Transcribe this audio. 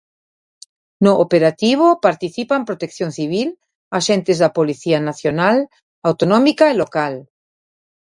No operativo participan Protección Civil, axentes da Policía Nacional, Autonómica e Local.